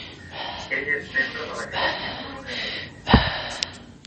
Ell és membre de l'Acadèmia Polonesa de Ciències.